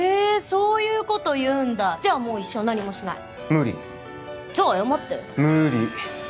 そういうこと言うんだじゃあもう一生何もしない無理じゃあ謝って無理！